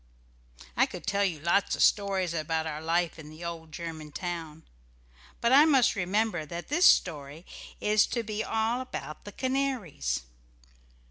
I could tell you lots of stories about our life in the old German town, but I must remember that this story is to be all about the canaries.